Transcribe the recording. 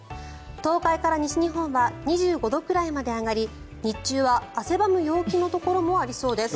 東海から西日本は２５度くらいまで上がり日中は汗ばむ陽気のところもありそうです。